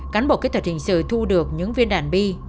cán bộ kỹ thuật hình sự thu được những viên đạn bi